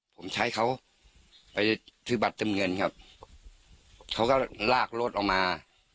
ผมใช้เขาไปซื้อบัตรเต็มเงินครับเขาก็ลากรถออกมา